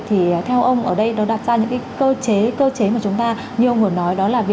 thì theo ông ở đây đạt ra những cái cơ chế mà chúng ta nhiều người nói